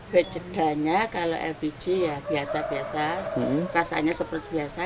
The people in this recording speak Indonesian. bedanya kalau lpg ya biasa biasa rasanya seperti biasa